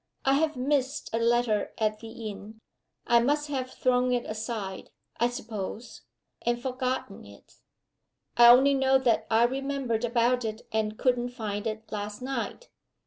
I have missed a letter at the inn I must have thrown it aside, I suppose, and forgotten it. I only know that I remembered about it, and couldn't find it last night.